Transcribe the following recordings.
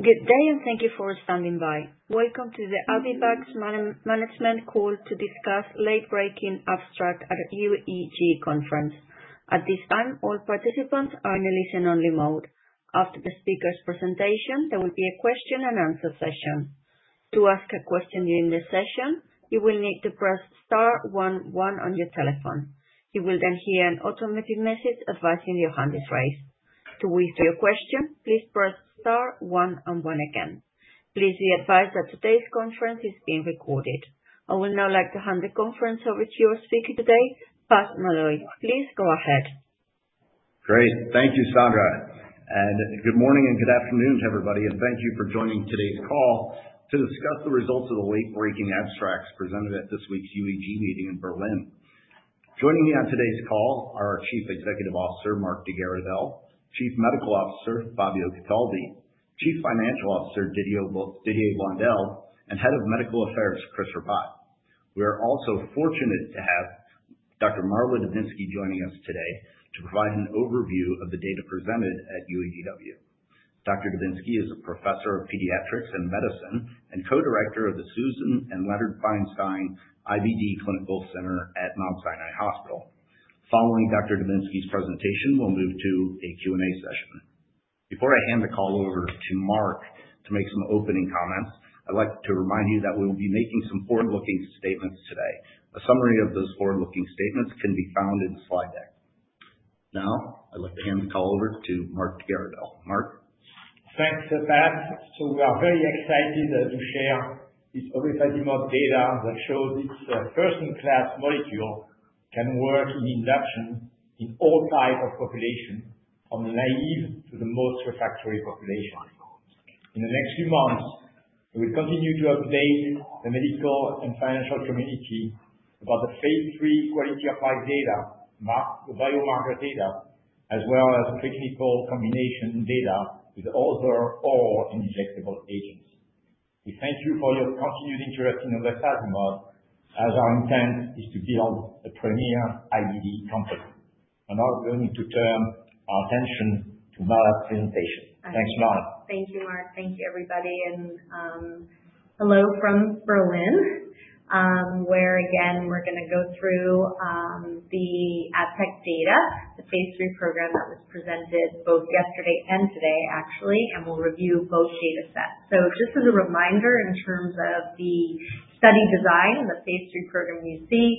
Good day, and thank you for standing by. Welcome to the Abivax management call to discuss late-breaking abstract at the UEG conference. At this time, all participants are in a listen-only mode. After the speaker's presentation, there will be a question-and-answer session. To ask a question during the session, you will need to press star one one on your telephone. You will then hear an automated message advising your hand is raised. To withdraw your question, please press star one one again. Please be advised that today's conference is being recorded. I would now like to hand the conference over to your speaker today, Pat Malloy. Please go ahead. Great. Thank you, Sandra. And good morning and good afternoon to everybody, and thank you for joining today's call to discuss the results of the late-breaking abstracts presented at this week's UEG meeting in Berlin. Joining me on today's call are our Chief Executive Officer, Marc de Garidel, Chief Medical Officer, Fabio Cataldi, Chief Financial Officer, Didier Blondel, and Head of Medical Affairs, Chris Rabbat. We are also fortunate to have Dr. Marla Dubinsky joining us today to provide an overview of the data presented at UEG Week. Dr. Dubinsky is a Professor of Pediatrics and Medicine and Co-Director of the Susan and Leonard Feinstein IBD Clinical Center at Mount Sinai Hospital. Following Dr. Dubinsky's presentation, we'll move to a Q&A session. Before I hand the call over to Marc to make some opening comments, I'd like to remind you that we will be making some forward-looking statements today. A summary of those forward-looking statements can be found in the slide deck. Now, I'd like to hand the call over to Marc de Garidel. Marc. Thanks, Pat. So we are very excited to share this very fascinating data that shows its first-in-class molecule can work in induction in all types of population, from the naive to the most refractory population. In the next few months, we will continue to update the medical and financial community about the phase III quality of life data, the biomarker data, as well as clinical combination data with other all injectable agents. We thank you for your continued interest in our obefazimod, as our intent is to build a premier IBD company. And now we're going to turn our attention to Marla's presentation. Thanks, Marla. Thank you, Marc. Thank you, everybody, and hello from Berlin, where, again, we're going to go through the ABX data, the phase III program that was presented both yesterday and today, actually, and we'll review both data sets so just as a reminder, in terms of the study design, the phase III program you see.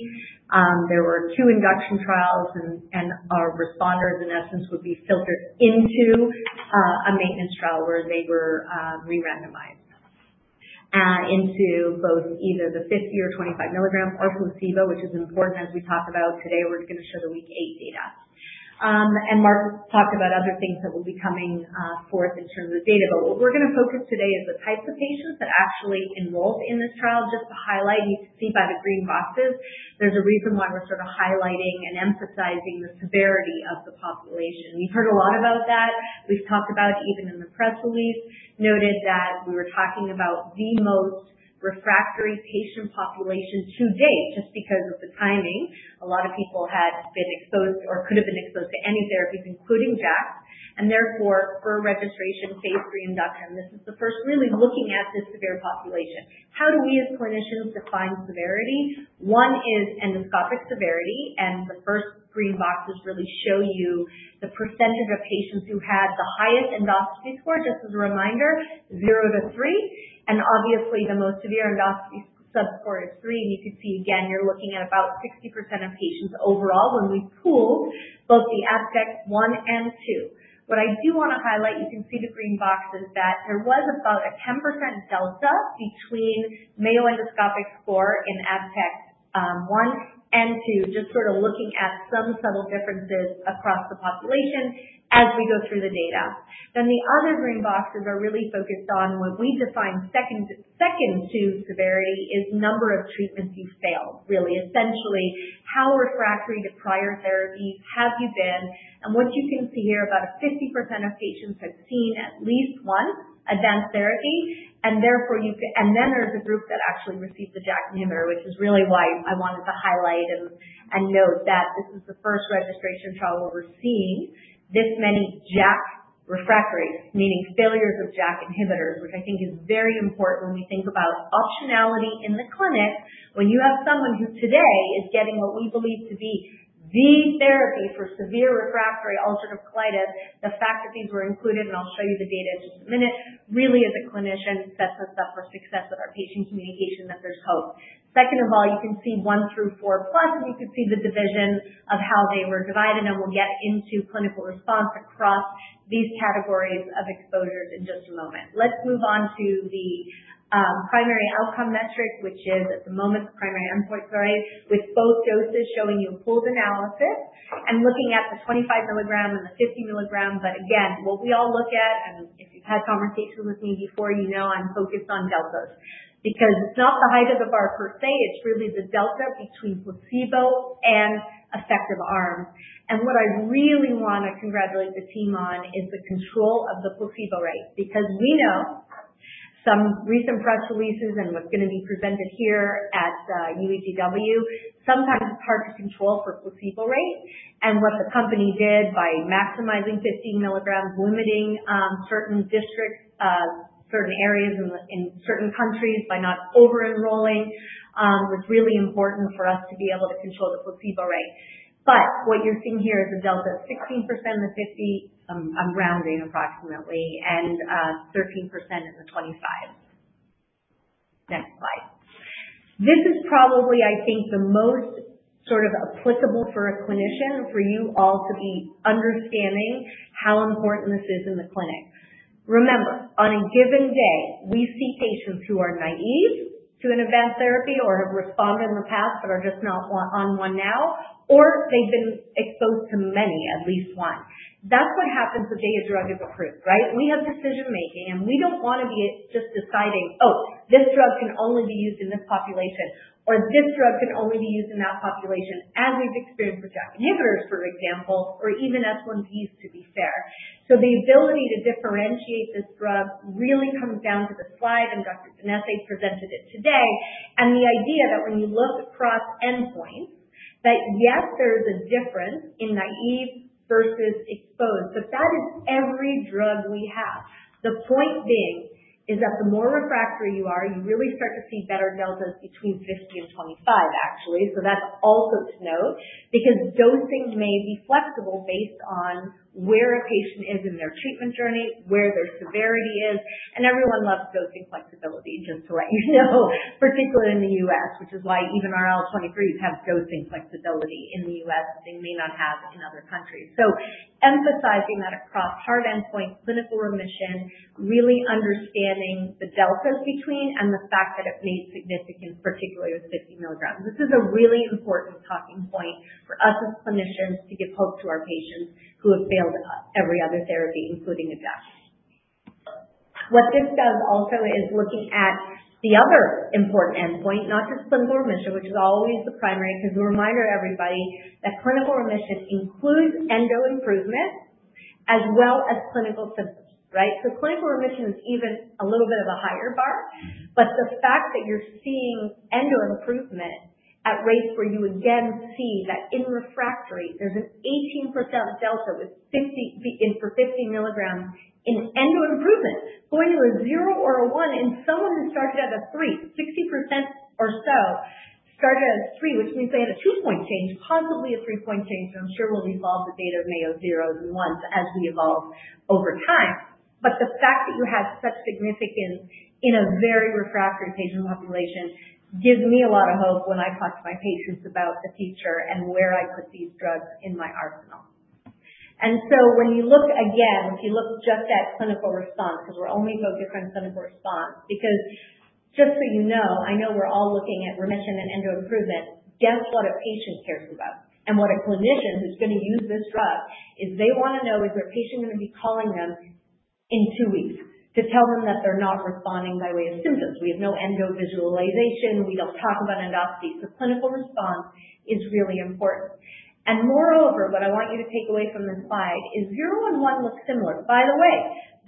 There were two induction trials, and our responders, in essence, would be filtered into a maintenance trial where they were re-randomized into both either the 50 or 25 milligram or placebo, which is important, as we talked about today. We're going to show the week eight data, and Marc talked about other things that will be coming forth in terms of the data, but what we're going to focus on today is the types of patients that actually enrolled in this trial. Just to highlight, you can see by the green boxes, there's a reason why we're sort of highlighting and emphasizing the severity of the population. We've heard a lot about that. We've talked about, even in the press release, noted that we were talking about the most refractory patient population to date, just because of the timing. A lot of people had been exposed or could have been exposed to any therapies, including JAKs, and therefore, for registration, phase III induction. This is the first really looking at this severe population. How do we, as clinicians, define severity? One is endoscopic severity, and the first green boxes really show you the percentage of patients who had the highest endoscopy score, just as a reminder, zero to three, and obviously, the most severe endoscopy sub score is three. And you can see, again, you're looking at about 60% of patients overall when we pooled both the ABX one and two. What I do want to highlight, you can see the green boxes, that there was about a 10% delta between Mayo endoscopic score in ABX one and two, just sort of looking at some subtle differences across the population as we go through the data. Then the other green boxes are really focused on what we define second to severity is number of treatments you failed, really. Essentially, how refractory to prior therapies have you been? And what you can see here, about 50% of patients have seen at least one advanced therapy. And then there's a group that actually received the JAK inhibitor, which is really why I wanted to highlight and note that this is the first registration trial we're seeing this many JAK refractories, meaning failures of JAK inhibitors, which I think is very important when we think about optionality in the clinic. When you have someone who today is getting what we believe to be the therapy for severe refractory ulcerative colitis, the fact that these were included, and I'll show you the data in just a minute, really, as a clinician, sets us up for success with our patient communication that there's hope. Second of all, you can see one through four plus, and you can see the division of how they were divided, and we'll get into clinical response across these categories of exposures in just a moment. Let's move on to the primary outcome metric, which is, at the moment, the primary endpoint, sorry, with both doses showing you a pooled analysis and looking at the 25 milligram and the 50 milligram. But again, what we all look at, and if you've had conversations with me before, you know I'm focused on deltas because it's not the height of the bar per se. It's really the delta between placebo and effective arms. And what I really want to congratulate the team on is the control of the placebo rate because we know some recent press releases and what's going to be presented here at UEG Week, sometimes it's hard to control for placebo rate. And what the company did by maximizing 15 milligrams, limiting certain districts, certain areas in certain countries by not over-enrolling, was really important for us to be able to control the placebo rate. But what you're seeing here is a delta of 16% in the 50, I'm rounding approximately, and 13% in the 25. Next slide. This is probably, I think, the most sort of applicable for a clinician, for you all to be understanding how important this is in the clinic. Remember, on a given day, we see patients who are naive to an advanced therapy or have responded in the past but are just not on one now, or they've been exposed to many, at least one. That's what happens the day a drug is approved, right? We have decision-making, and we don't want to be just deciding, "Oh, this drug can only be used in this population," or, "This drug can only be used in that population," as we've experienced with JAK inhibitors, for example, or even S1Ps, to be fair. So the ability to differentiate this drug really comes down to the slide, and Dr. Danese presented it today, and the idea that when you look across endpoints, that yes, there is a difference in naive versus exposed, but that is every drug we have. The point being is that the more refractory you are, you really start to see better deltas between 50 and 25, actually, so that's also to note because dosing may be flexible based on where a patient is in their treatment journey, where their severity is, and everyone loves dosing flexibility, just to let you know, particularly in the U.S., which is why even our IL-23s have dosing flexibility in the U.S. that they may not have in other countries, so emphasizing that across hard endpoint, clinical remission, really understanding the deltas between, and the fact that it made significance, particularly with 50 milligrams. This is a really important talking point for us as clinicians to give hope to our patients who have failed every other therapy, including a JAK. What this does also is looking at the other important endpoint, not just clinical remission, which is always the primary because we remind everybody that clinical remission includes endo improvement as well as clinical symptoms, right, so clinical remission is even a little bit of a higher bar, but the fact that you're seeing endo improvement at rates where you, again, see that in refractory, there's an 18% delta for 50 milligrams in endo improvement, going to a zero or a one, and someone who started at a three, 60% or so, started at a three, which means they had a two-point change, possibly a three-point change, and I'm sure we'll evolve the data Mayo zeros and ones as we evolve over time. But the fact that you had such significance in a very refractory patient population gives me a lot of hope when I talk to my patients about the future and where I put these drugs in my arsenal, and so when you look again, if you look just at clinical response, because we're only focused on clinical response, because just so you know, I know we're all looking at remission and endo improvement, guess what a patient cares about and what a clinician who's going to use this drug is they want to know, is their patient going to be calling them in two weeks to tell them that they're not responding by way of symptoms? We have no endo visualization. We don't talk about endoscopy, so clinical response is really important, and moreover, what I want you to take away from this slide is zero and one look similar. By the way,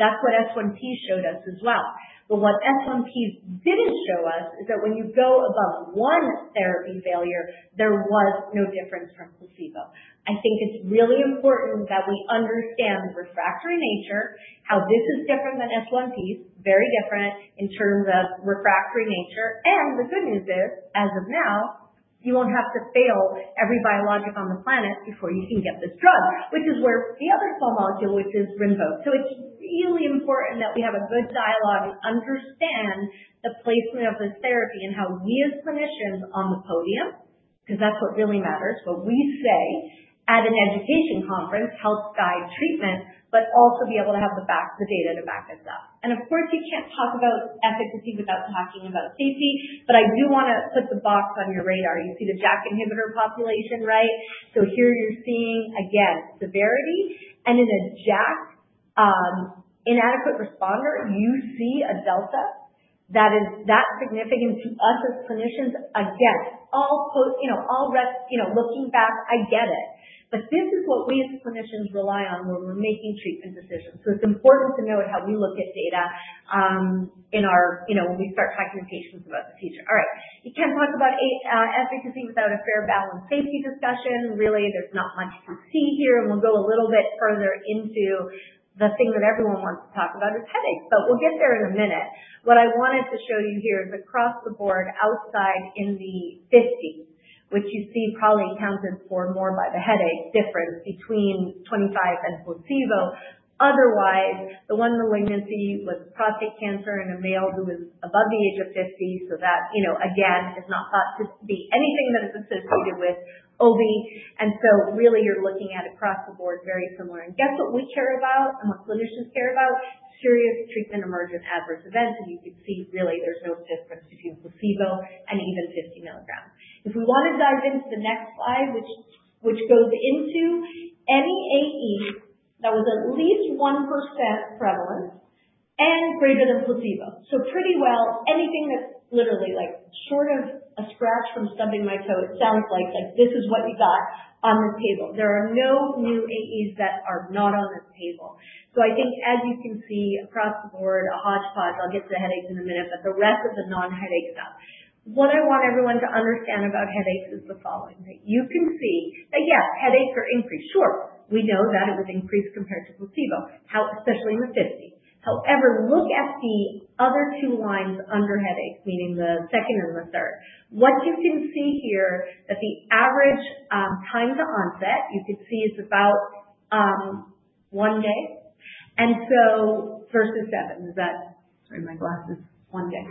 that's what S1P showed us as well, but what S1P didn't show us is that when you go above one therapy failure, there was no difference from placebo. I think it's really important that we understand the refractory nature, how this is different than S1Ps, very different in terms of refractory nature, and the good news is, as of now, you won't have to fail every biologic on the planet before you can get this drug, which is where the other small molecule, which is Rinvoq, so it's really important that we have a good dialogue and understand the placement of this therapy and how we, as clinicians on the podium, because that's what really matters, what we say at an education conference helps guide treatment, but also be able to have the data to back us up. And of course, you can't talk about efficacy without talking about safety, but I do want to put the box on your radar. You see the JAK inhibitor population, right? So here you're seeing, again, severity. And in a JAK inadequate responder, you see a delta that is that significant to us as clinicians. Again, all looking back, I get it. But this is what we, as clinicians, rely on when we're making treatment decisions. So it's important to note how we look at data when we start talking to patients about the future. All right. You can't talk about efficacy without a fair balance safety discussion. Really, there's not much to see here. And we'll go a little bit further into the thing that everyone wants to talk about is headaches, but we'll get there in a minute. What I wanted to show you here is across the board outside in the 50, which you see probably accounted for more by the headache difference between 25 and placebo. Otherwise, the one malignancy was prostate cancer in a male who was above the age of 50, so that, again, is not thought to be anything that is associated with OB, and so really, you're looking at across the board very similar, and guess what we care about and what clinicians care about? Serious treatment emergent adverse events, and you can see, really, there's no difference between placebo and even 50 milligrams. If we want to dive into the next slide, which goes into any AE that was at least 1% prevalent and greater than placebo. So pretty well, anything that's literally short of a scratch from stubbing my toe. It sounds like this is what you got on this table. There are no new AEs that are not on this table. So I think, as you can see, across the board, a hodgepodge. I'll get to the headaches in a minute, but the rest of the non-headache stuff. What I want everyone to understand about headaches is the following: that you can see that, yes, headaches are increased. Sure, we know that it was increased compared to placebo, especially in the 50. However, look at the other two lines under headaches, meaning the second and the third. What you can see here is that the average time to onset, you can see, is about one day versus seven. Sorry, my glasses. One day.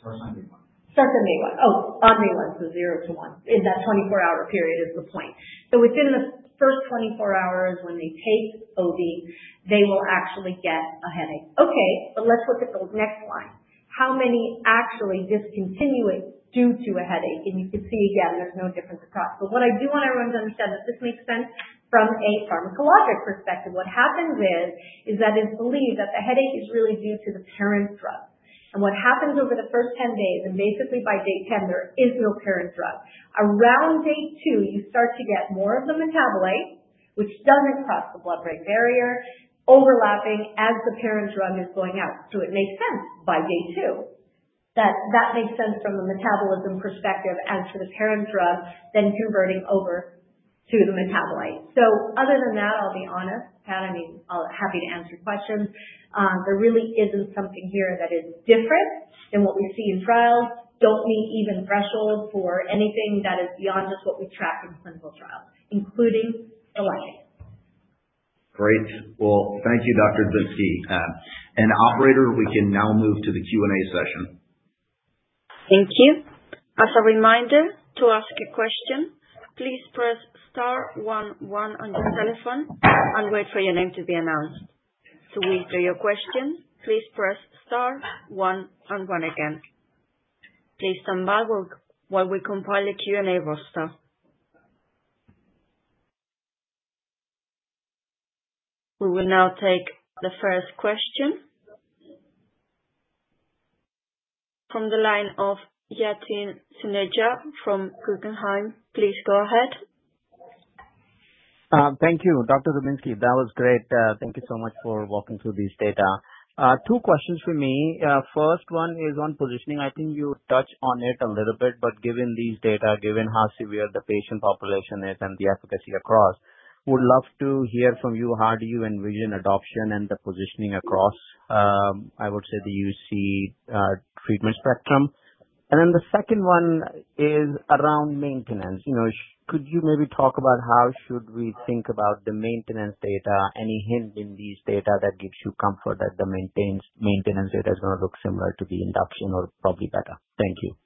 Starts on day one. Starts on day one. Oh, on day one. So zero to one. That 24-hour period is the point. So within the first 24 hours when they take OB, they will actually get a headache. Okay, but let's look at the next line. How many actually discontinue it due to a headache? And you can see, again, there's no difference across. But what I do want everyone to understand, if this makes sense from a pharmacologic perspective, what happens is that it's believed that the headache is really due to the parent drug. And what happens over the first 10 days, and basically by day 10, there is no parent drug. Around day two, you start to get more of the metabolite, which doesn't cross the blood-brain barrier, overlapping as the parent drug is going out. So it makes sense by day two that that makes sense from a metabolism perspective as for the parent drug, then converting over to the metabolite. So other than that, I'll be honest. I mean, I'll be happy to answer questions. There really isn't something here that is different than what we see in trials. Don't meet even thresholds for anything that is beyond just what we track in clinical trials, including elevations. Great. Well, thank you, Dr. Dubinsky. And operator, we can now move to the Q&A session. Thank you. As a reminder, to ask a question, please press star one one on your telephone and wait for your name to be announced. To withdraw your question, please press star one one again. Please stand by while we compile the Q&A roster. We will now take the first question from the line of Yatin Suneja from Guggenheim. Please go ahead. Thank you, Dr. Dubinsky. That was great. Thank you so much for walking through these data. Two questions for me. First one is on positioning. I think you touched on it a little bit, but given these data, given how severe the patient population is and the efficacy across, I would love to hear from you how do you envision adoption and the positioning across, I would say, the UC treatment spectrum? And then the second one is around maintenance. Could you maybe talk about how should we think about the maintenance data? Any hint in these data that gives you comfort that the maintenance data is going to look similar to the induction or probably better? Thank you.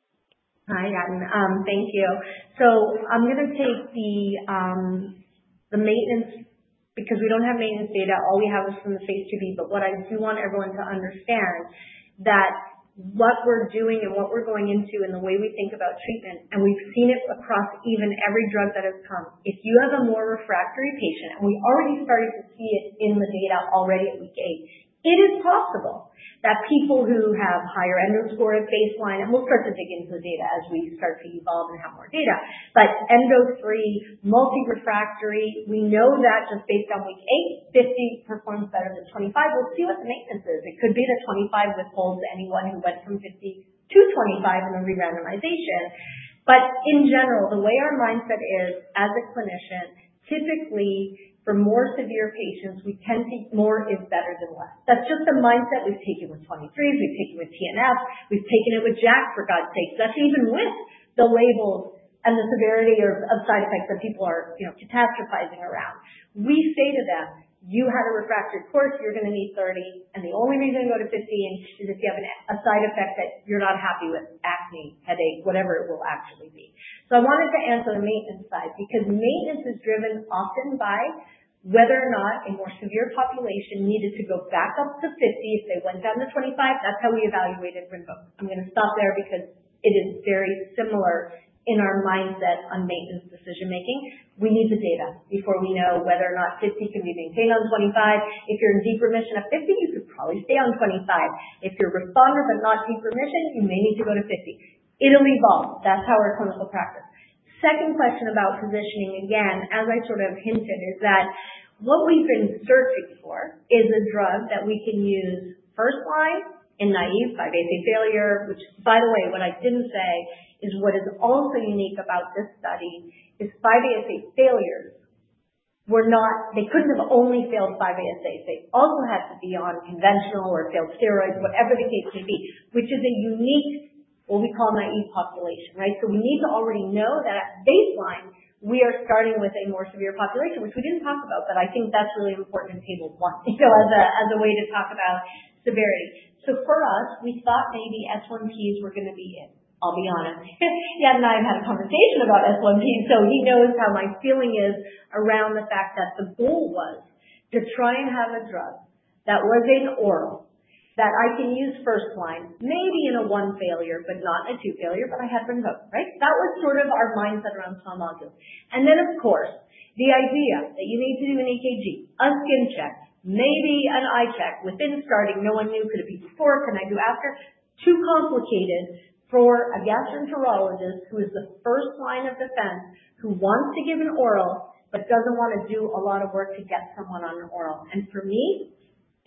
Hi, Yatin. Thank you. So I'm going to take the maintenance because we don't have maintenance data. All we have is from the phase II-B. But what I do want everyone to understand is that what we're doing and what we're going into and the way we think about treatment, and we've seen it across even every drug that has come, if you have a more refractory patient, and we already started to see it in the data at week eight, it is possible that people who have higher endo score at baseline, and we'll start to dig into the data as we start to evolve and have more data, but endo 3, multi-refractory, we know that just based on week eight, 50 performs better than 25. We'll see what the maintenance is. It could be that 25 holds anyone who went from 50-25 in a rerandomization, but in general, the way our mindset is, as a clinician, typically, for more severe patients, we tend to think more is better than less. That's just the mindset we've taken with 23s. We've taken with TNF. We've taken it with JAK, for God's sake. That's even with the labels and the severity of side effects that people are catastrophizing around. We say to them, "You had a refractory course. You're going to need 30. And the only reason to go to 15 is if you have a side effect that you're not happy with, acne, headache, whatever it will actually be." So I wanted to answer the maintenance side because maintenance is driven often by whether or not a more severe population needed to go back up to 50 if they went down to 25. That's how we evaluated Rinvoq. I'm going to stop there because it is very similar in our mindset on maintenance decision-making. We need the data before we know whether or not 50 can be maintained on 25. If you're in deep remission at 50, you could probably stay on 25. If you're responders but not deep remission, you may need to go to 50. It'll evolve. That's how our clinical practice. Second question about positioning, again, as I sort of hinted, is that what we've been searching for is a drug that we can use first line in naive 5-ASA failure, which, by the way, what I didn't say is what is also unique about this study is 5-ASA failures were not. They couldn't have only failed 5-ASA. They also had to be on conventional or failed steroids, whatever the case may be, which is a unique, what we call naive population, right? So we need to already know that at baseline, we are starting with a more severe population, which we didn't talk about, but I think that's really important in table one as a way to talk about severity. So for us, we thought maybe S1Ps were going to be in. I'll be honest. Chris and I have had a conversation about S1Ps, so he knows how my feeling is around the fact that the goal was to try and have a drug that was an oral that I can use first line, maybe in a one failure, but not a two failure, but I had Rinvoq, right? That was sort of our mindset around small molecules. And then, of course, the idea that you need to do an EKG, a skin check, maybe an eye check before starting. No one knew, could it be before? Can I do after? Too complicated for a gastroenterologist who is the first line of defense who wants to give an oral but doesn't want to do a lot of work to get someone on an oral, and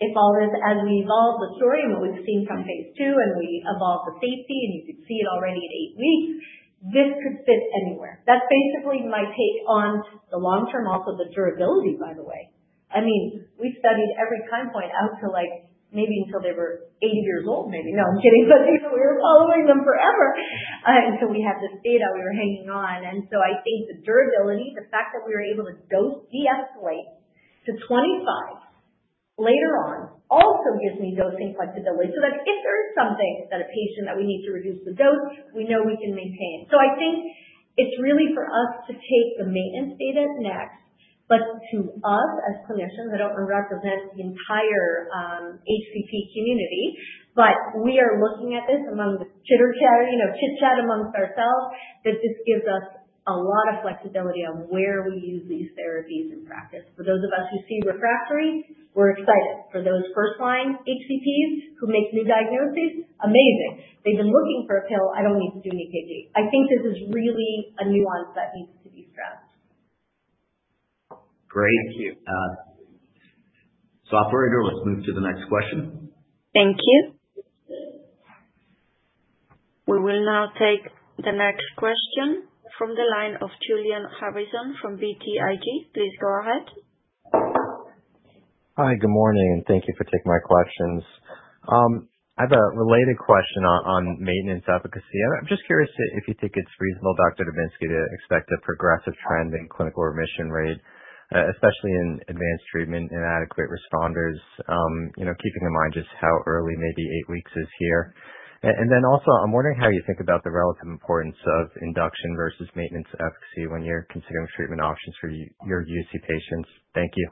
for me, if all this, as we evolve the story and what we've seen from phase II and we evolve the safety and you could see it already at eight weeks, this could fit anywhere. That's basically my take on the long term, also the durability, by the way. I mean, we studied every time point out to maybe until they were 80 years old, maybe. No, I'm kidding, but we were following them forever until we had this data we were hanging on. And so, I think the durability, the fact that we were able to dose de-escalate to 25 later on, also gives me dosing flexibility so that if there is something that a patient that we need to reduce the dose, we know we can maintain, so I think it's really for us to take the maintenance data next, but to us as clinicians, I don't represent the entire HCP community, but we are looking at this among the chitter-chatter chit-chat amongst ourselves that this gives us a lot of flexibility on where we use these therapies in practice. For those of us who see refractory, we're excited. For those first-line HCPs who make new diagnoses, amazing. They've been looking for a pill. I don't need to do an EKG. I think this is really a nuance that needs to be stressed. Great. Thank you. So operator, let's move to the next question. Thank you. We will now take the next question from the line of Julian Harrison from BTIG. Please go ahead. Hi, good morning, and thank you for taking my questions. I have a related question on maintenance efficacy. I'm just curious if you think it's reasonable, Dr. Dubinsky, to expect a progressive trend in clinical remission rate, especially in advanced treatment, inadequate responders, keeping in mind just how early maybe eight weeks is here, and then also, I'm wondering how you think about the relative importance of induction versus maintenance efficacy when you're considering treatment options for your UC patients. Thank you.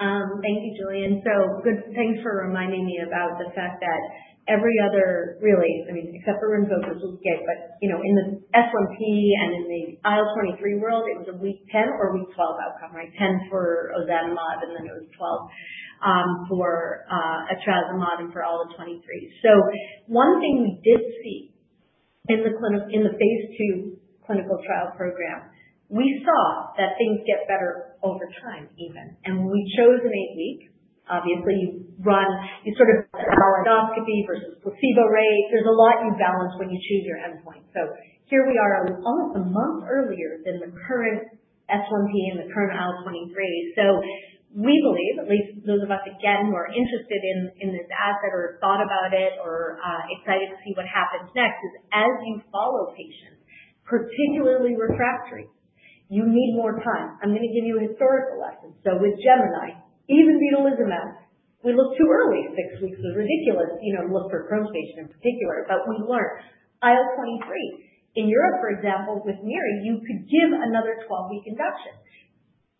Thank you, Julian. So thanks for reminding me about the fact that every other, really, I mean, except for Rinvoq, which was good, but in the S1P and in the IL-23 world, it was a week 10 or week 12 outcome, right? 10 for ozanimod, and then it was 12 for etrasimod and for all the 23. So one thing we did see in the phase II clinical trial program, we saw that things get better over time even. And when we chose an eight-week, obviously, you sort of balance endoscopy versus placebo rate. There's a lot you balance when you choose your endpoint. So here we are almost a month earlier than the current S1P and the current IL-23. So we believe, at least those of us, again, who are interested in this asset or thought about it or excited to see what happens next, is as you follow patients, particularly refractory, you need more time. I'm going to give you a historical lesson. So with Gemini, even vedolizumab, we looked too early. Six weeks was ridiculous to look for Crohn's patient in particular, but we learned. IL-23, in Europe, for example, with Miri, you could give another 12-week induction.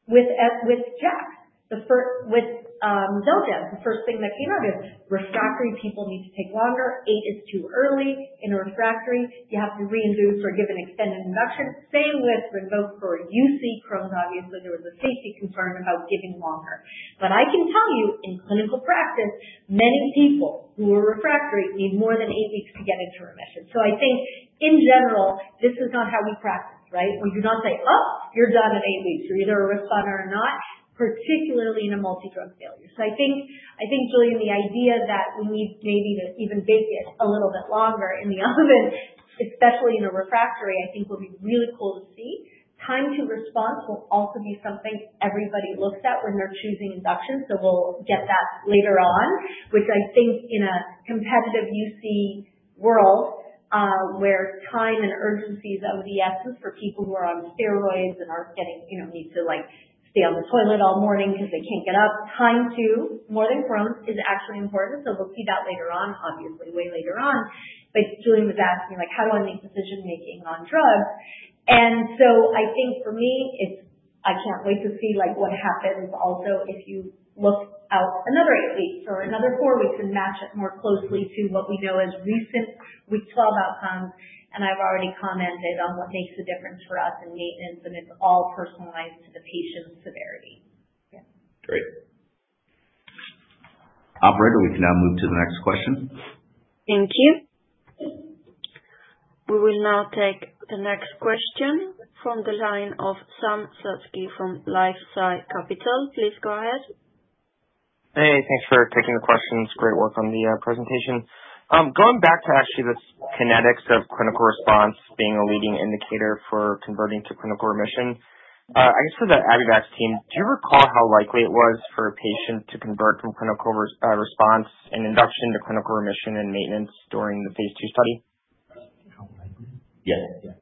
With JAK, with Xeljanz, the first thing that came out is refractory people need to take longer. Eight is too early. In refractory, you have to re-induce or give an extended induction. Same with Rinvoq for UC Crohn's, obviously, there was a safety concern about giving longer. But I can tell you, in clinical practice, many people who are refractory need more than eight weeks to get into remission. So I think, in general, this is not how we practice, right? We do not say, "Oh, you're done in eight weeks. You're either a responder or not," particularly in a multi-drug failure. So I think, Julian, the idea that we need maybe to even bake it a little bit longer in the oven, especially in a refractory, I think will be really cool to see. Time to response will also be something everybody looks at when they're choosing induction. So we'll get that later on, which I think in a competitive UC world where time and urgency is of the essence for people who are on steroids and need to stay on the toilet all morning because they can't get up, time to, more than Crohn's, is actually important. So we'll see that later on, obviously, way later on. But Julian was asking, "How do I make decision-making on drugs?" And so I think for me, I can't wait to see what happens also if you look out another eight weeks or another four weeks and match it more closely to what we know as recent week 12 outcomes. And I've already commented on what makes the difference for us in maintenance, and it's all personalized to the patient's severity. Yeah. Great. Operator, we can now move to the next question. Thank you. We will now take the next question from the line of Sam Slutsky from LifeSci Capital. Please go ahead. Hey, thanks for taking the questions. Great work on the presentation. Going back to actually the kinetics of clinical response being a leading indicator for converting to clinical remission, I guess for the Abivax team, do you recall how likely it was for a patient to convert from clinical response and induction to clinical remission and maintenance during the phase II study? Yes. Yeah.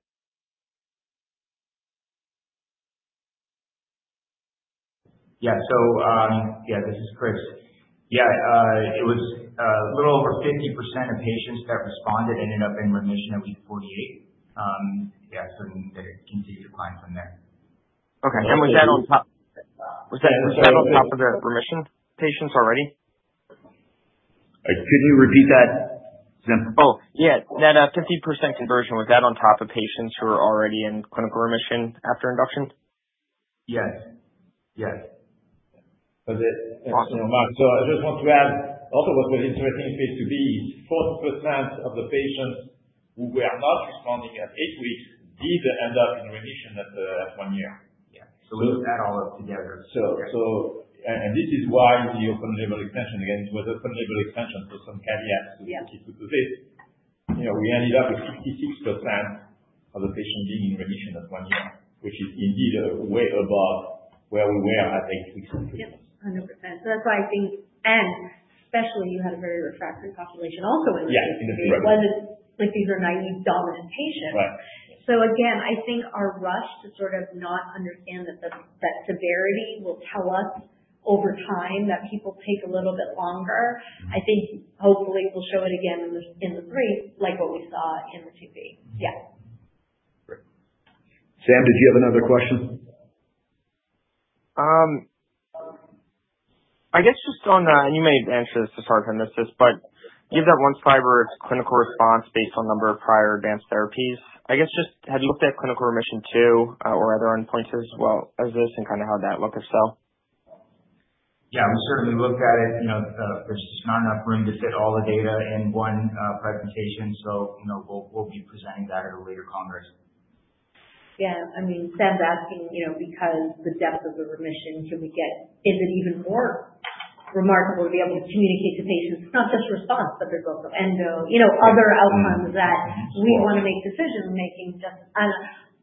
Yeah. So yeah, this is Chris. Yeah. It was a little over 50% of patients that responded ended up in remission at week 48. Yeah. So then they continued to climb from there. Okay. And was that on top? Was that on top of the remission patients already? Could you repeat that? Oh, yeah. That 50% conversion, was that on top of patients who were already in clinical remission after induction? Yes. Yes. So I just want to add also what's interesting in phase II-B is 40% of the patients who were not responding at eight weeks did end up in remission at one year. Yeah. So we put that all up together. And this is why the open label extension, again, it was open label extension for some caveats to this. We ended up with 66% of the patients being in remission at one year, which is indeed way above where we were at eight weeks and three months. Yes. 100%. So that's why I think, and especially you had a very refractory population also in remission. It wasn't like these are naive dominant patients. So again, I think our rush to sort of not understand that that severity will tell us over time that people take a little bit longer. I think hopefully we'll show it again in the III, like what we saw in the II-B. Yeah. Great. Sam, did you have another question? I guess just on the, and you may have answered this to start, but you have that one figure of clinical response based on number of prior advanced therapies. I guess just have you looked at clinical remission too or other endpoints as well as this and kind of how that looked if so? Yeah. We certainly looked at it. There's just not enough room to fit all the data in one presentation. So we'll be presenting that at a later congress. Yeah. I mean, Sam's asking because the depth of the remission can we get is it even more remarkable to be able to communicate to patients, not just response, but there's also endo other outcomes that we want to make decision-making just as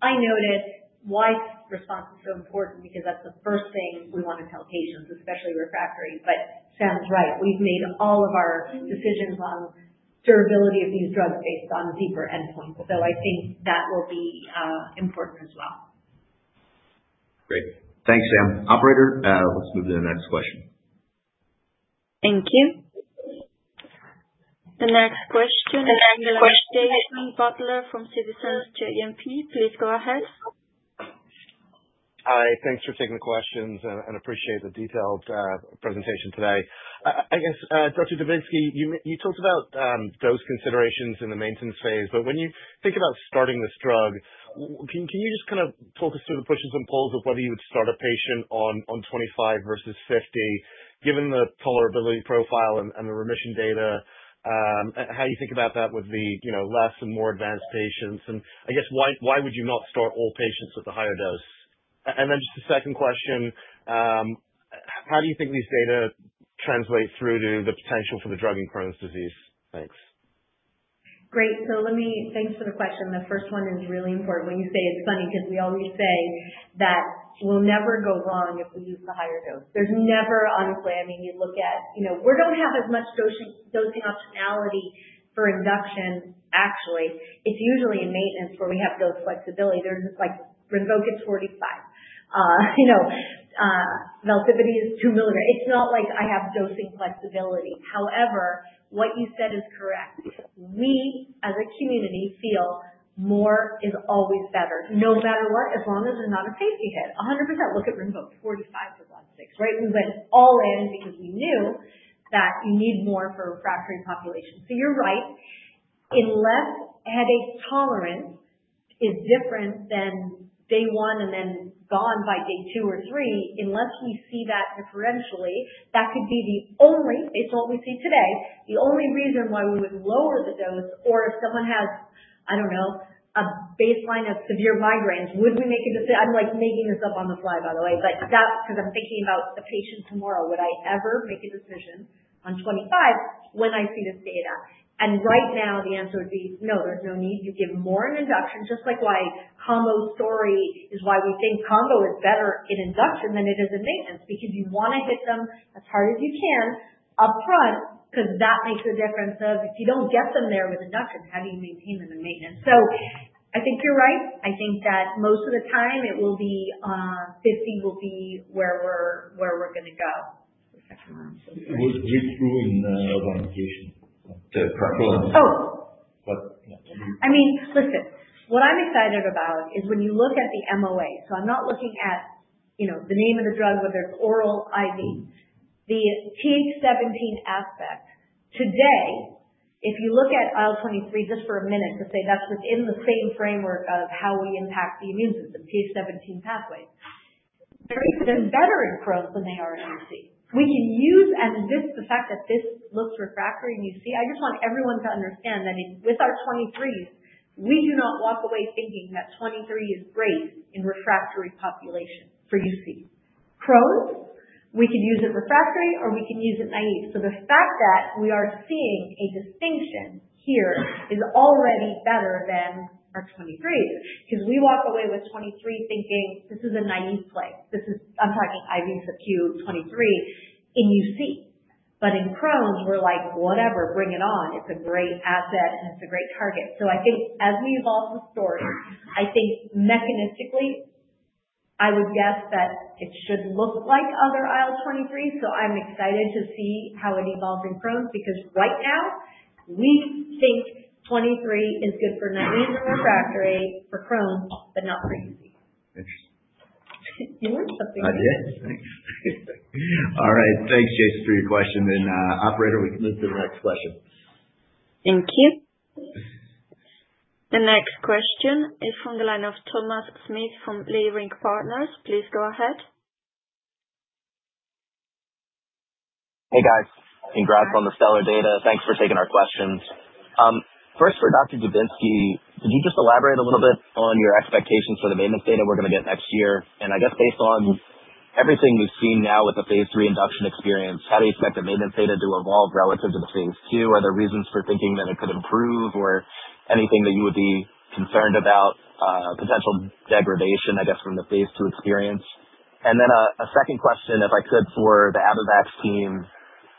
I noted why response is so important because that's the first thing we want to tell patients, especially refractory. But Sam's right. We've made all of our decisions on durability of these drugs based on deeper endpoints. So I think that will be important as well. Great. Thanks, Sam. Operator, let's move to the next question. Thank you. The next question is from Jason Butler from Citizens JMP. Please go ahead. Hi. Thanks for taking the questions and appreciate the detailed presentation today. I guess, Dr. Dubinsky, you talked about those considerations in the maintenance phase, but when you think about starting this drug, can you just kind of talk us through the pushes and pulls of whether you would start a patient on 25 versus 50, given the tolerability profile and the remission data, how you think about that with the less and more advanced patients? And I guess, why would you not start all patients with the higher dose? And then just the second question, how do you think these data translate through to the potential for the drug in Crohn's disease? Thanks. Great. So thanks for the question. The first one is really important. When you say it's funny because we always say that we'll never go wrong if we use the higher dose. There's never, honestly, I mean, you look at we don't have as much dosing optionality for induction. Actually, it's usually in maintenance where we have dose flexibility. There's Rinvoq at 45. Velsipity is two milligrams. It's not like I have dosing flexibility. However, what you said is correct. We, as a community, feel more is always better, no matter what, as long as there's not a safety hit. 100%. Look at Rinvoq, 45-16, right? We went all in because we knew that you need more for a refractory population. So you're right. Unless headache tolerance is different than day one and then gone by day two or three, unless we see that differentially, that could be the only, based on what we see today, the only reason why we would lower the dose. Or if someone has, I don't know, a baseline of severe migraines, would we make a decision? I'm making this up on the fly, by the way, because I'm thinking about the patient tomorrow. Would I ever make a decision on 25 when I see this data? And right now, the answer would be no. There's no need. You give more in induction, just like why combo story is why we think combo is better in induction than it is in maintenance, because you want to hit them as hard as you can upfront because that makes a difference of if you don't get them there with induction, how do you maintain them in maintenance? So I think you're right. I think that most of the time it will be 50 will be where we're going to go. Was we through in the organization? Oh. But yeah. I mean, listen, what I'm excited about is when you look at the MOA, so I'm not looking at the name of the drug, whether it's oral, IV, the Th17 aspect. Today, if you look at IL-23 just for a minute to say that's within the same framework of how we impact the immune system, Th17 pathways, they're better in Crohn's than they are in UC. We can use, and this is the fact that this looks refractory in UC. I just want everyone to understand that with our 23s, we do not walk away thinking that 23 is great in refractory population for UC. Crohn's, we can use it refractory or we can use it naive, so the fact that we are seeing a distinction here is already better than our 23s because we walk away with 23 thinking this is a naive play. I'm talking IV subQ 23 in UC. But in Crohn's, we're like, whatever, bring it on. It's a great asset and it's a great target. So I think as we evolve the story, I think mechanistically, I would guess that it should look like other IL-23. So I'm excited to see how it evolves in Crohn's because right now, we think 23 is good for naive and refractory for Crohn's, but not for UC. Interesting. You learned something. I did. Thanks. All right. Thanks, Jason, for your question. And operator, we can move to the next question. Thank you. The next question is from the line of Thomas Smith from Leerink Partners. Please go ahead. Hey, guys. Congrats on the stellar data. Thanks for taking our questions. First, for Dr. Dubinsky, could you just elaborate a little bit on your expectations for the maintenance data we're going to get next year? And I guess based on everything we've seen now with the phase III induction experience, how do you expect the maintenance data to evolve relative to the phase II? Are there reasons for thinking that it could improve or anything that you would be concerned about potential degradation, I guess, from the phase II experience? And then a second question, if I could, for the Abivax team,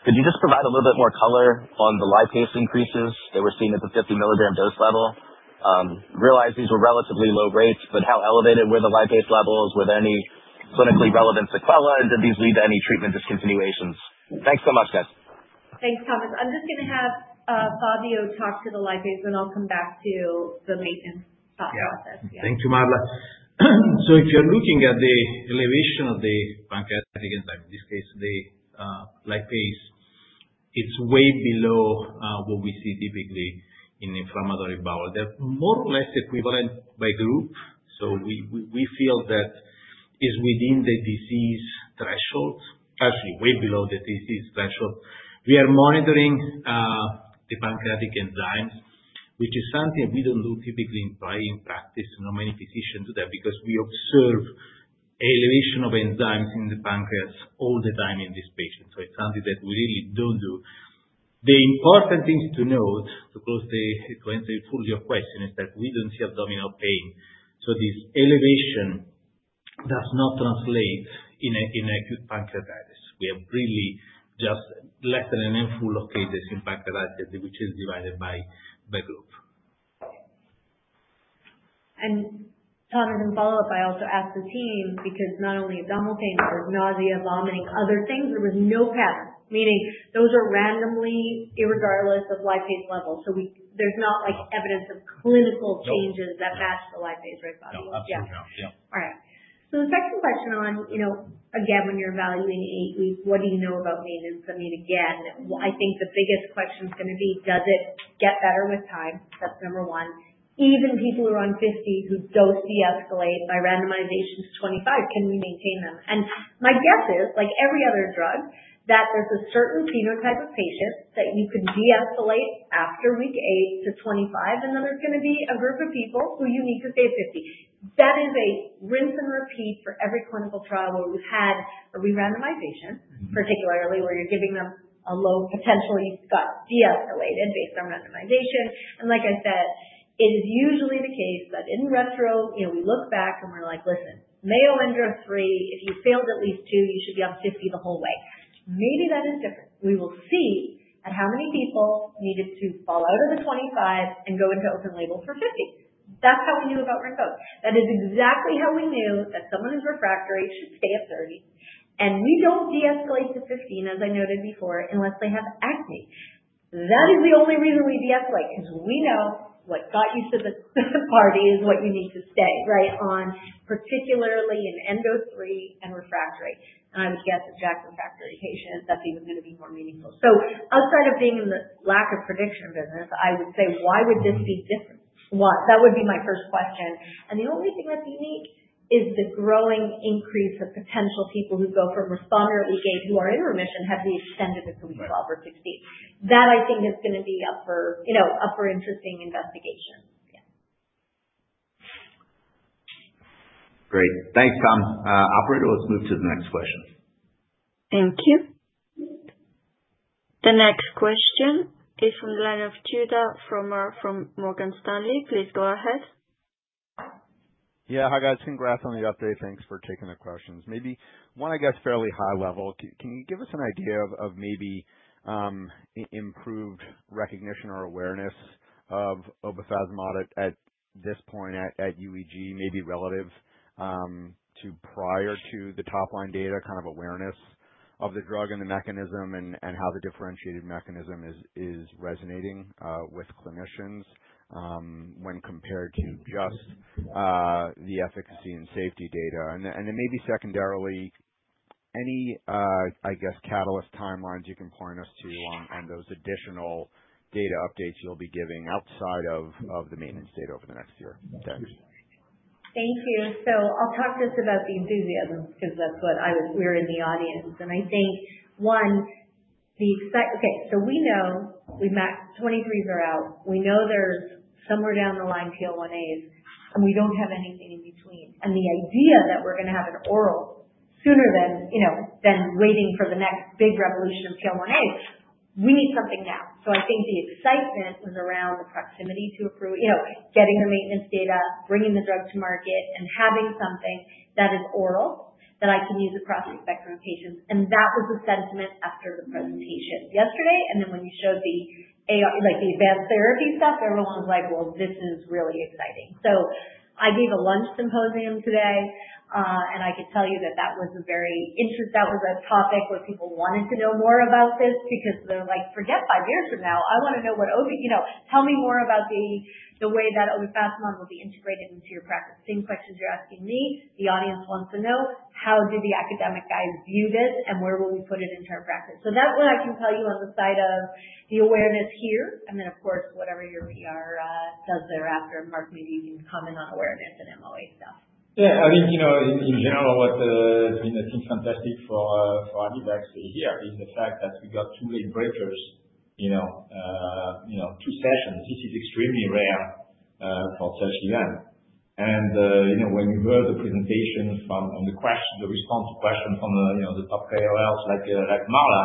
could you just provide a little bit more color on the lipase increases that were seen at the 50-milligram dose level? Realize these were relatively low rates, but how elevated were the lipase levels? Were there any clinically relevant sequelae? And did these lead to any treatment discontinuations? Thanks so much, guys. Thanks, Thomas. I'm just going to have Fabio talk to the lipase, and I'll come back to the maintenance process. Yeah. Thank you, Marla. So if you're looking at the elevation of the pancreatic enzyme, in this case, the lipase, it's way below what we see typically in inflammatory bowel. They're more or less equivalent by group. So we feel that it's within the disease threshold, actually way below the disease threshold. We are monitoring the pancreatic enzymes, which is something we don't do typically in practice. Not many physicians do that because we observe elevation of enzymes in the pancreas all the time in this patient. So it's something that we really don't do. The important thing to note, to close the answer fully to your question, is that we don't see abdominal pain. So this elevation does not translate in acute pancreatitis. We have really just less than a handful of cases in pancreatitis, which is divided by group. And Thomas, in follow-up, I also asked the team because not only abdominal pain, but there's nausea, vomiting, other things. There was no pattern, meaning those are randomly, irregardless of lipase levels. So there's not evidence of clinical changes that match the lipase, right, Fabio? No. Absolutely not. Yeah. All right. So the second question on, again, when you're evaluating eight weeks, what do you know about maintenance? I mean, again, I think the biggest question is going to be, does it get better with time? That's number one. Even people who are on 50 who dose de-escalate by randomization to 25, can we maintain them? And my guess is, like every other drug, that there's a certain phenotype of patients that you could de-escalate after week 8-25, and then there's going to be a group of people who you need to stay at 50. That is a rinse and repeat for every clinical trial where we've had a re-randomization, particularly where you're giving them a low potential, you've got de-escalated based on randomization. And like I said, it is usually the case that in retro, we look back and we're like, listen, Mayo score ≥ 3, if you failed at least two, you should be on 50 the whole way. Maybe that is different. We will see at how many people needed to fall out of the 25 and go into open label for 50. That's how we knew about Rinvoq. That is exactly how we knew that someone who's refractory should stay at 30, and we don't de-escalate to 15, as I noted before, unless they have acne. That is the only reason we de-escalate because we know what got you to the party is what you need to stay right on, particularly in endo three and refractory, and I would guess a JAK refractory patient, that's even going to be more meaningful, so outside of being in the lack of prediction business, I would say, why would this be different? That would be my first question, and the only thing that's unique is the growing increase of potential people who go from responder at week 8 who are in remission have the endoscopy at the week 12 or 16. That I think is going to be up for interesting investigation. Yeah. Great. Thanks, Tom. Operator, let's move to the next question. Thank you. The next question is from the line of Judah Frommer from Morgan Stanley. Please go ahead. Yeah. Hi, guys. Congrats on the update. Thanks for taking the questions. Maybe one, I guess, fairly high level. Can you give us an idea of maybe improved recognition or awareness of obefazimod at this point at UEG, maybe relative to prior to the top-line data, kind of awareness of the drug and the mechanism and how the differentiated mechanism is resonating with clinicians when compared to just the efficacy and safety data? And then maybe secondarily, any, I guess, catalyst timelines you can point us to on those additional data updates you'll be giving outside of the maintenance data over the next year. Thanks. Thank you. So I'll talk just about the enthusiasm because that's what we're in the audience. And I think, one, okay, so we know we've maxed IL-23s are out. We know there's somewhere down the line TL1As, and we don't have anything in between. And the idea that we're going to have an oral sooner than waiting for the next big revolution of TL1As, we need something now. So I think the excitement was around the proximity to getting the maintenance data, bringing the drug to market, and having something that is oral that I can use across the spectrum of patients. And that was the sentiment after the presentation yesterday. And then when you showed the advanced therapy stuff, everyone was like, well, this is really exciting. So I gave a lunch symposium today, and I could tell you that that was a very interesting topic where people wanted to know more about this because they're like, forget five years from now. I want to know what. Tell me more about the way that obefazimod will be integrated into your practice. Same questions you're asking me. The audience wants to know how do the academic guys view this and where will we put it into our practice? So that's what I can tell you on the side of the awareness here. And then, of course, whatever your PR does thereafter. Marc, maybe you can comment on awareness and MOA stuff. Yeah. I think in general, what I think is fantastic for Abivax here is the fact that we got two late breakers, two sessions. This is extremely rare for such events. And when you heard the presentation from the response to questions from the top KOLs like Marla,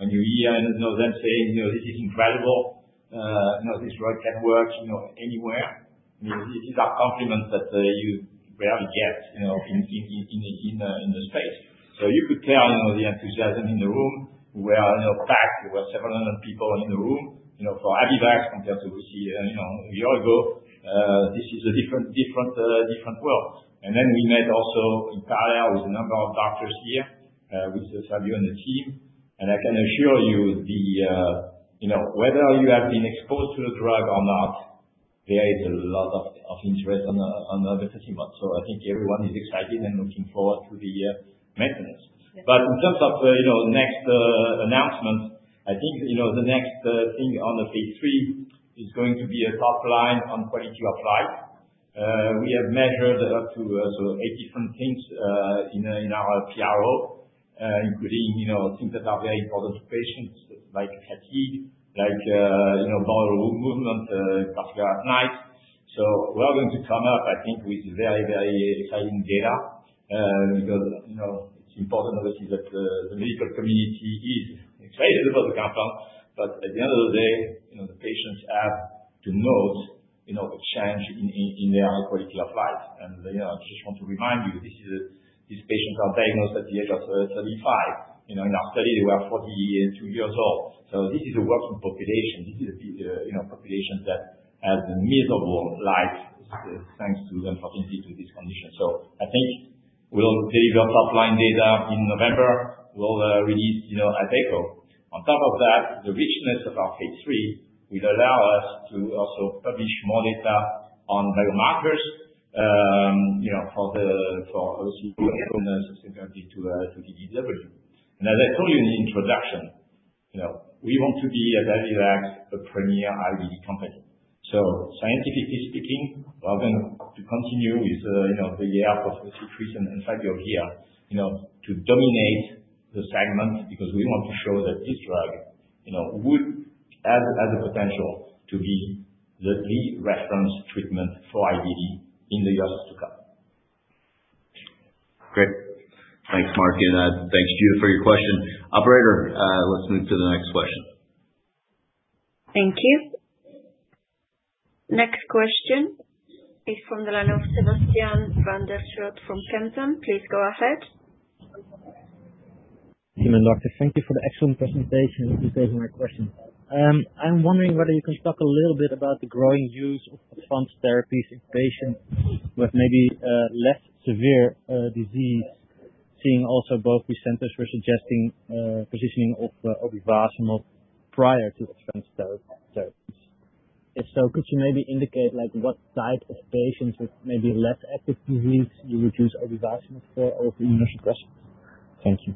when you hear them saying, "This is incredible. This drug can work anywhere." These are compliments that you rarely get in the space. So you could tell the enthusiasm in the room was packed. There were several hundred people in the room for Abivax compared to UC a year ago. This is a different world. And then we met also in parallel with a number of doctors here with Fabio and the team. And I can assure you, whether you have been exposed to the drug or not, there is a lot of interest on obefazimod. So I think everyone is excited and looking forward to the maintenance. But in terms of next announcements, I think the next thing on the phase III is going to be a top-line on quality of life. We have measured up to eight different things in our PRO, including things that are very important to patients like fatigue, like bowel movement, particularly at night. So we're going to come up, I think, with very, very exciting data because it's important obviously that the medical community is excited about the compound. But at the end of the day, the patients have to note a change in their quality of life. And I just want to remind you, these patients are diagnosed at the age of 35. In our study, they were 42 years old. So this is a working population. This is a population that has a miserable life thanks to the unfortunate history of this condition. So I think we'll deliver top-line data in November. We'll release at ECCO. On top of that, the richness of our phase III will allow us to also publish more data on biomarkers for obefazimod compared to DDW. And as I told you in the introduction, we want to be at Abivax a premier IBD company. So scientifically speaking, we're going to continue with the year of 33s and 50s here to dominate the segment because we want to show that this drug would have the potential to be the reference treatment for IBD in the years to come. Great. Thanks, Marc. And thanks, Judah, for your question. Operator, let's move to the next question. Thank you. Next question is from the line of Sebastiaan van der Schoot from Kempen. Please go ahead. Thank you, Doctor. Thank you for the excellent presentation. This is my question. I'm wondering whether you can talk a little bit about the growing use of advanced therapies in patients with maybe less severe disease, seeing also both researchers were suggesting positioning of obefazimod prior to advanced therapies. If so, could you maybe indicate what type of patients with maybe less active disease you would use obefazimod for over immunosuppression? Thank you.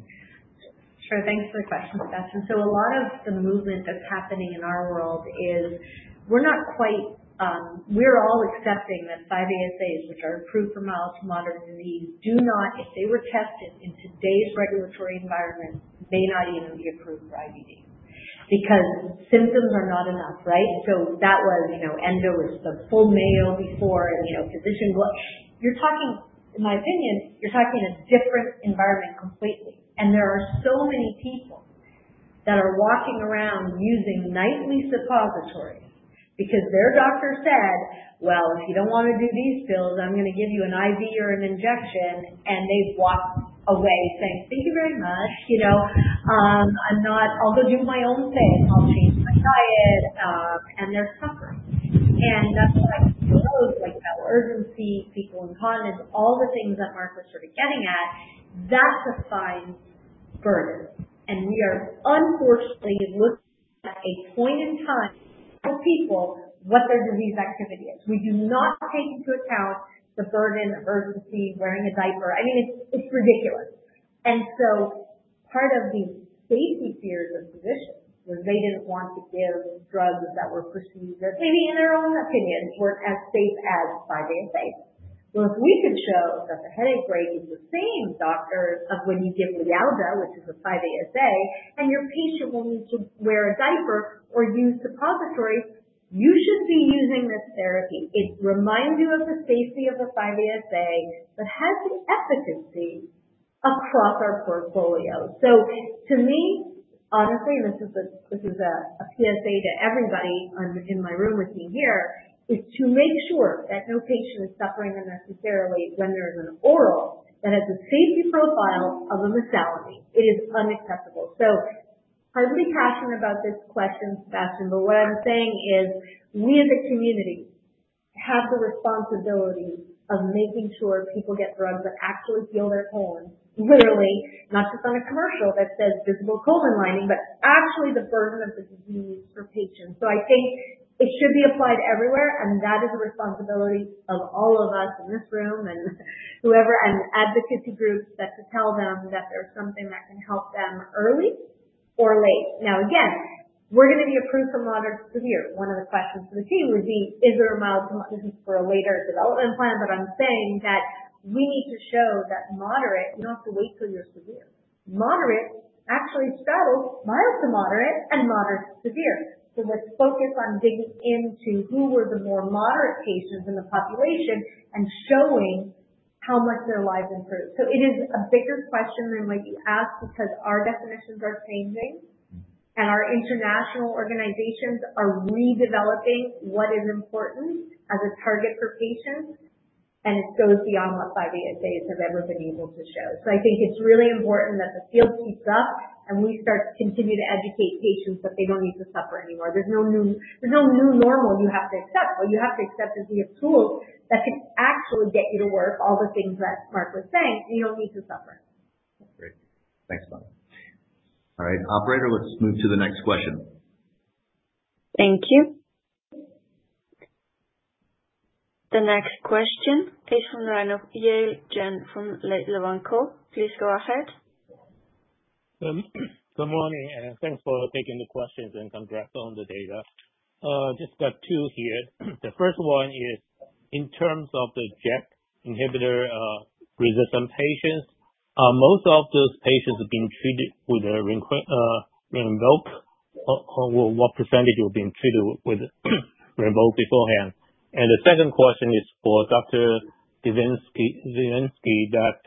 Sure. Thanks for the question, Sebastiaan. So a lot of the movement that's happening in our world is we're all accepting that 5-ASAs, which are approved for mild to moderate disease, do not, if they were tested in today's regulatory environment, may not even be approved for UC because symptoms are not enough, right? So that was endo, the full Mayo before, and physician you're talking, in my opinion, you're talking a different environment completely. And there are so many people that are walking around using nightly suppositories because their doctor said, "Well, if you don't want to do these pills, I'm going to give you an IV or an injection," and they walk away saying, "Thank you very much. I'll go do my own thing. I'll change my diet." And they're suffering. And that's why those like bowel urgency, fecal incontinence, all the things that Marc was sort of getting at, that's a fine burden. And we are unfortunately looking at a point in time for people what their disease activity is. We do not take into account the burden, the urgency, wearing a diaper. I mean, it's ridiculous. And so part of the safety fears of physicians was they didn't want to give drugs that were perceived as, maybe in their own opinion, weren't as safe as 5-ASAs. Well, if we could show that the headache rate is the same as doctors do when you give Lialda, which is a 5-ASA, and your patient will need to wear a diaper or use suppositories, you should be using this therapy. It reminds you of the safety of the 5-ASA, but has the efficacy across our portfolio. So to me, honestly, and this is a PSA to everybody in my room with me here, is to make sure that no patient is suffering unnecessarily when there is an oral that has the safety profile of a mesalamine. It is unacceptable. So I'm really passionate about this question, Sebastiaan, but what I'm saying is we as a community have the responsibility of making sure people get drugs that actually heal their colon, literally, not just on a commercial that says visible colon lining, but actually the burden of the disease for patients. So I think it should be applied everywhere, and that is the responsibility of all of us in this room and whoever and advocacy groups that to tell them that there's something that can help them early or late. Now, again, we're going to be approved for moderate to severe. One of the questions for the team would be, is there a mild to moderate for a later development plan? But I'm saying that we need to show that moderate, you don't have to wait till you're severe. Moderate actually straddles mild to moderate and moderate to severe. So let's focus on digging into who were the more moderate patients in the population and showing how much their lives improved. So it is a bigger question than what you asked because our definitions are changing, and our international organizations are redeveloping what is important as a target for patients, and it goes beyond what 5-ASAs have ever been able to show. So I think it's really important that the field keeps up and we start to continue to educate patients that they don't need to suffer anymore. There's no new normal you have to accept. What you have to accept is we have tools that can actually get you to work, all the things that Marc was saying, and you don't need to suffer. Great. Thanks. All right. Operator, let's move to the next question. Thank you. The next question, based on the line of Yale Jen from Laidlaw & Co. Please go ahead. Good morning. Thanks for taking the questions and congrats on the data. Just got two here. The first one is in terms of the JAK inhibitor resistant patients, most of those patients have been treated with Rinvoq, or what percentage have been treated with Rinvoq beforehand? And the second question is for Dr. Dubinsky that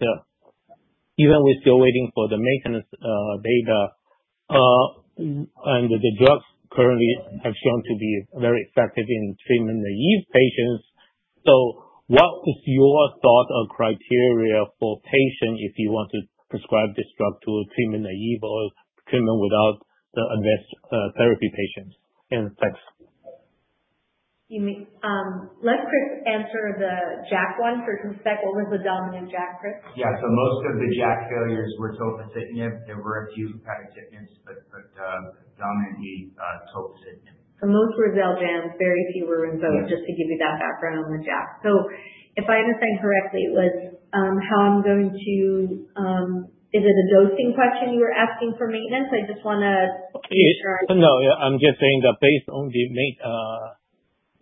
even we're still waiting for the maintenance data, and the drugs currently have shown to be very effective in treatment naive patients. So what is your thought or criteria for patients if you want to prescribe this drug to treatment naive or treatment without the advanced therapy patients? And thanks. Let Chris answer the JAK one. For context, what was the dominant JAK, Chris? Yeah. So most of the JAK failures were tofacitinib. There were a few who had upadacitinib, but dominantly tofacitinib. So most were Xeljanz, very few were Rinvoq, just to give you that background on the JAK. So if I understand correctly, it was how I'm going to is it a dosing question you were asking for maintenance? I just want to make sure I'm - No. I'm just saying that based on the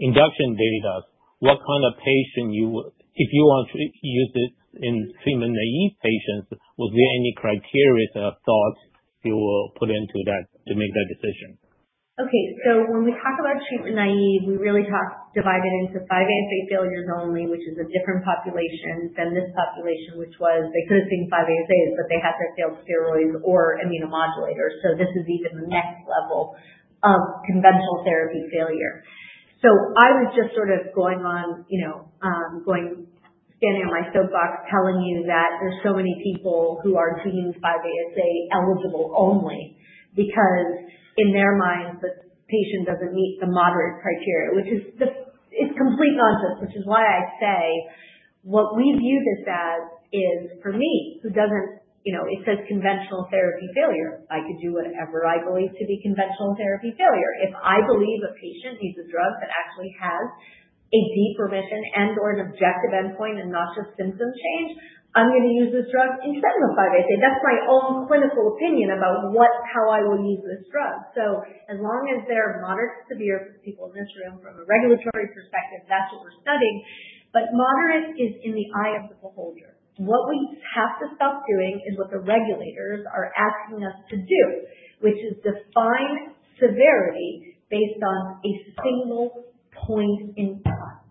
induction data, what kind of patient you would if you want to use it in treatment naive patients, would there be any criteria or thoughts you will put into that to make that decision? Okay. So when we talk about treatment-naive, we really talk divided into 5-ASA failures only, which is a different population than this population, which was they could have seen 5-ASAs, but they had their failed steroids or immunomodulators. So this is even the next level of conventional therapy failure. So I was just sort of going on, standing on my soapbox, telling you that there's so many people who are deemed 5-ASA eligible only because in their minds, the patient doesn't meet the moderate criteria, which is complete nonsense, which is why I say what we view this as is, for me, who doesn't it says conventional therapy failure. I could do whatever I believe to be conventional therapy failure. If I believe a patient needs a drug that actually has a deep remission and/or an objective endpoint and not just symptom change, I'm going to use this drug instead of a 5-ASA. That's my own clinical opinion about how I will use this drug. So as long as they're moderate to severe for people in this room, from a regulatory perspective, that's what we're studying. But moderate is in the eye of the beholder. What we have to stop doing is what the regulators are asking us to do, which is define severity based on a single point in time.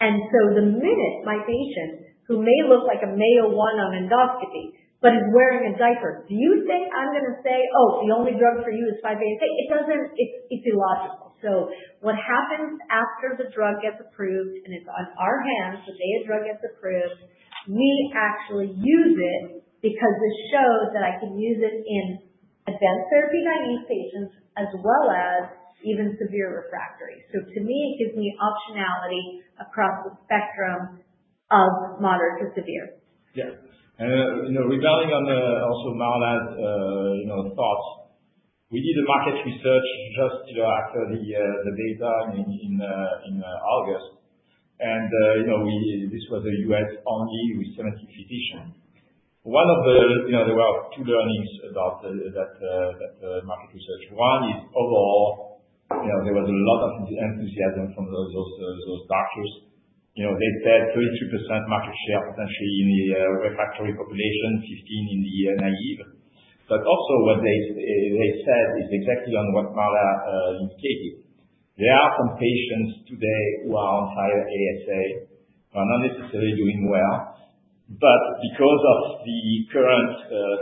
And so the minute my patient, who may look like a Mayo 1 on endoscopy, but is wearing a diaper, do you think I'm going to say, "Oh, the only drug for you is 5-ASA?" It doesn't. It's illogical. So what happens after the drug gets approved and it's in our hands the day a drug gets approved, we actually use it because this shows that I can use it in advanced therapy-naive patients as well as even severe refractory. So to me, it gives me optionality across the spectrum of moderate to severe. Yeah. And relying on also Marla's thoughts, we did a market research just after the data in August. And this was a U.S.-only with 70 physicians. One of them, there were two learnings about that market research. One is overall, there was a lot of enthusiasm from those doctors. They said 33% market share potentially in the refractory population, 15% in the naive. But also what they said is exactly on what Marla indicated. There are some patients today who are on 5-ASA, who are not necessarily doing well. But because of the current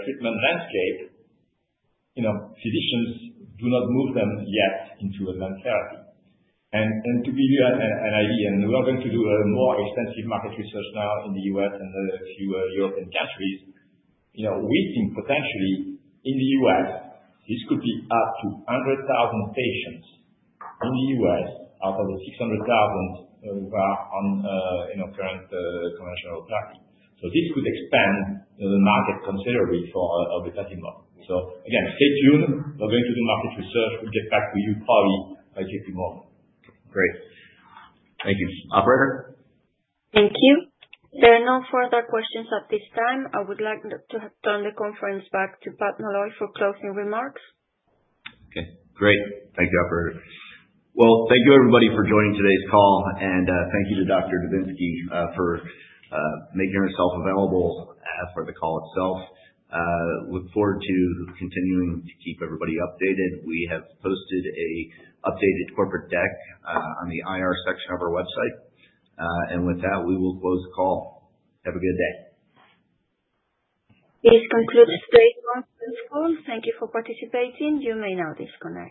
treatment landscape, physicians do not move them yet into advanced therapy, and to give you an idea, and we are going to do a more extensive market research now in the U.S. and a few European countries. We think potentially in the U.S., this could be up to 100,000 patients in the U.S. out of the 600,000 who are on current conventional therapy, so this could expand the market considerably for obefazimod, so again, stay tuned. We're going to do market research. We'll get back to you probably by JP Morgan. Great. Thank you, Operator. Thank you. There are no further questions at this time. I would like to turn the conference back to Pat Malloy for closing remarks. Okay. Great. Thank you, Operator, well, thank you, everybody, for joining today's call, and thank you to Dr. Dubinsky for making herself available for the call itself. Look forward to continuing to keep everybody updated. We have posted an updated corporate deck on the IR section of our website, and with that, we will close the call. Have a good day. This concludes today's conference call. Thank you for participating. You may now disconnect.